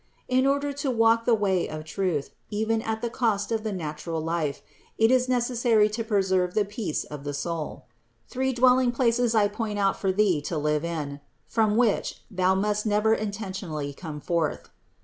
In order to walk the way of truth, even at the cost of the natural life, it is necessary to preserve the peace of the soul. Three dwelling places I point out for thee to live in, from which thou must never intentionally come forth.